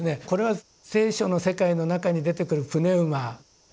これは「聖書」の世界の中に出てくるプネウマ。